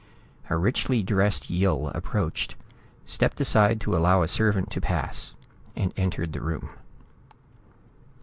A richly dressed Yill approached, stepped aside to allow a servant to pass and entered the room.